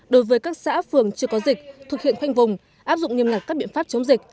đối với các xã phường chưa có dịch thực hiện khoanh vùng áp dụng nghiêm ngặt các biện pháp chống dịch